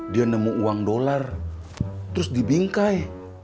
dia nemu uang dolar terus dibingkai